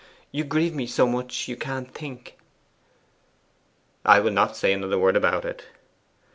You grieve me so much you can't think.' 'I will not say another word about it.